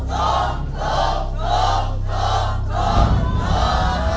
ถูก